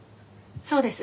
そうです。